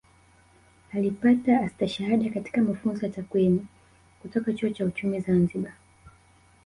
Alipata Astashada katika Mafunzo ya Takwimu kutoka Chuo cha Uchumi Zanzibar